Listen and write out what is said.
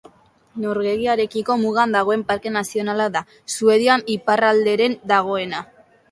Norvegiarekiko mugan dagoen Parke Nazionala da, Suedian iparralderen dagoena.